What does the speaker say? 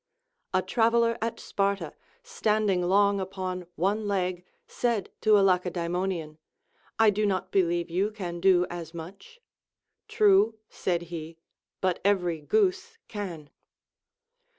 A travel ler at Sparta, standing long upon one leg, said to a Lacedae monian, I do not believe you can do as much ; True, said he, but every goose can.